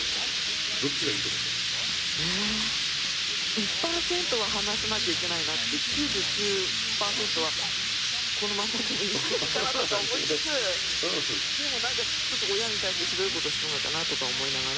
１％は話さなきゃいけないなって９９％はこのまんまでもいいんじゃないかなとか思いつつでも何かちょっと親に対してひどいことしとんがかなとか思いながら。